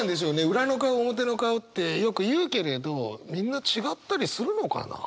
裏の顔表の顔ってよく言うけれどみんな違ったりするのかな？